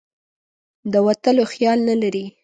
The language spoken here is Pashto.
د وتلو خیال نه لري.